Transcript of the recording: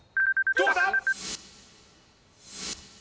どうだ？